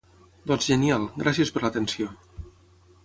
Doncs genial, gràcies per l'atenció.